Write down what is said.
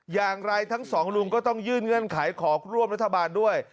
อย่างไรทั้งสองลุงก็ต้องยื่นเงื่อนไขขอร่วมรัฐบาลด้วย